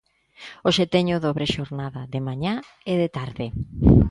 Hoxe teño dobre xornada: de mañá e de tarde.